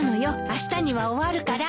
あしたには終わるから。